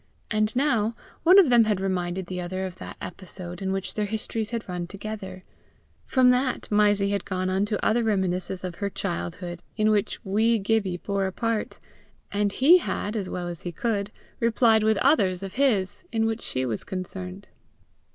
And now one of them had reminded the other of that episode in which their histories had run together; from that, Mysie had gone on to other reminiscences of her childhood in which wee Gibbie bore a part, and he had, as well as he could, replied with others of his, in which she was concerned.